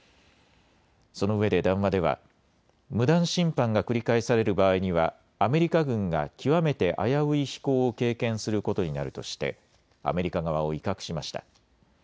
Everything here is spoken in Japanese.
そのうえで談話では無断侵犯が繰り返される場合にはアメリカ軍が極めて危うい飛行を経験することになるとしてアメリカ側を威嚇しました。